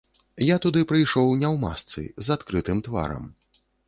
Я туды прыйшоў не ў масцы, з адкрытым тварам.